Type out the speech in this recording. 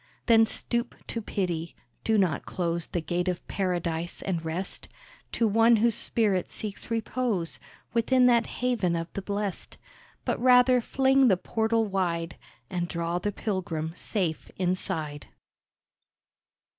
Then stoop to pity; do not close The gate of Paradise and rest, To one whose spirit seeks repose Within that haven of the blest; But rather fling the portal wide And draw the pilgrim safe inside.